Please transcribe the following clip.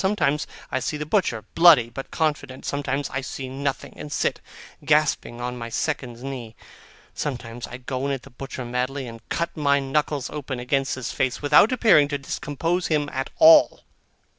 Sometimes I see the butcher, bloody but confident; sometimes I see nothing, and sit gasping on my second's knee; sometimes I go in at the butcher madly, and cut my knuckles open against his face, without appearing to discompose him at all.